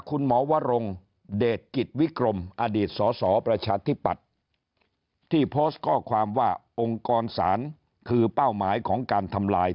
วรงเดชกิจวิกรมอดีตสสประชาธิปัตย์ที่โพสต์ข้อความว่าองค์กรศาลคือเป้าหมายของการทำลาย